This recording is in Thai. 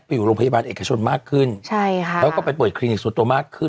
อยู่โรงพยาบาลเอกชนมากขึ้นใช่ค่ะแล้วก็ไปเปิดคลินิกส่วนตัวมากขึ้น